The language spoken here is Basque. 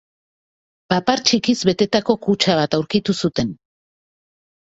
Papar txikiz betetako kutxa bat aurkitu zuten.